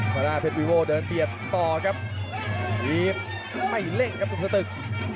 เพชรวีโวะเดินที่อี๋ตต่อครับไม่เล่งกับกุฎที่ตึก